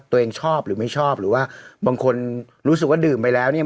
ตัวเองชอบหรือไม่ชอบหรือว่าบางคนรู้สึกว่าดื่มไปแล้วเนี่ย